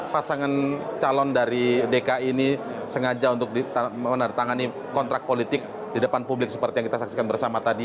pasangan calon dari dki ini sengaja untuk menandatangani kontrak politik di depan publik seperti yang kita saksikan bersama tadi